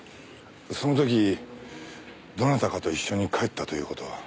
その時どなたかと一緒に帰ったという事は？